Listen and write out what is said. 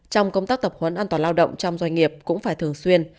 trong công tác tập huấn an toàn lao động trong doanh nghiệp cũng phải thường xuyên